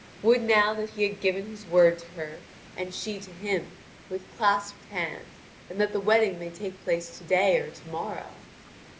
Would now that he had given his word to her, and she to him, with clasped hand, and that the wedding might take place to day or tomorrow."